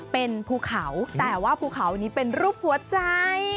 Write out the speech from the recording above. เป็นภูเขาแต่ว่าภูเขานี้เป็นรูปหัวใจ